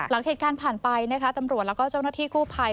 หลังเหตุการณ์ผ่านไปนะคะตำรวจแล้วก็เจ้าหน้าที่กู้ภัย